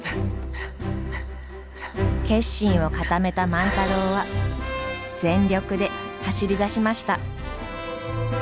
決心を固めた万太郎は全力で走りだしました。